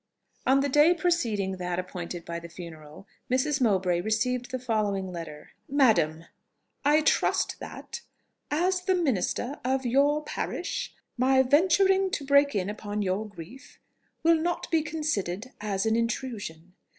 On the day preceding that appointed for the funeral, Mrs. Mowbray received the following letter: "MADAM, "I trust that, as the minister of your parish, my venturing to break in upon your grief will not be considered as an intrusion.